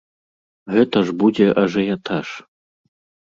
Гэта ж будзе ажыятаж!